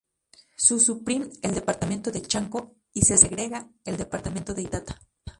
Se suprime el Departamento de Chanco y se segrega el Departamento de Itata.